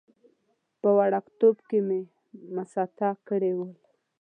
په وړکتوب کې مې مسطر کړي ول.